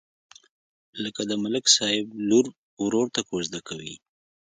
لکه د ملک صاحب لور ورور ته کوزده کوي.